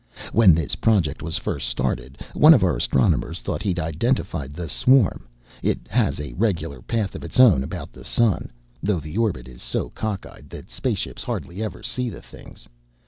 When this project was first started, one of our astronomers thought he'd identified the swarm it has a regular path of its own about the sun, though the orbit is so cockeyed that spaceships hardly ever even see the things.